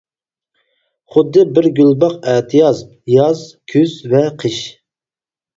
خۇددى بىر گۈلباغ ئەتىياز، ياز، كۈز ۋە قىش.